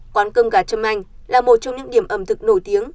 quán cơm gà trâm anh là một trong những điểm ẩm thực nổi tiếng